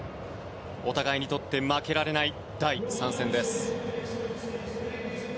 お互いにとって負けられない第３戦です。